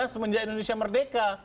semenjak indonesia merdeka